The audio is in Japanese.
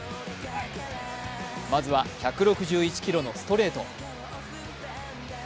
まずは１６１キロのストレート。